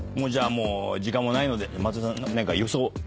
時間もないので松也さん。